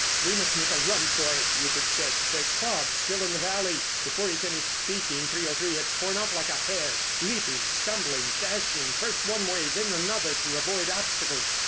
"We must make a run for it," Rupert said. "There's fog still in the valley." Before he finished speaking, 303 had torn off like a hare, leaping, stumbling, dashing first one way, then another to avoid obstacles.